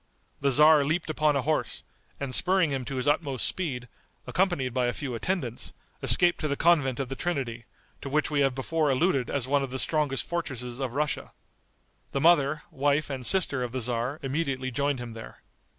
The tzar leaped upon a horse, and spurring him to his utmost speed, accompanied by a few attendants, escaped to the convent of the Trinity, to which we have before alluded as one of the strongest fortresses of Russia. The mother, wife and sister of the tzar, immediately joined him there.